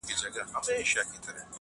زه نن احساسوم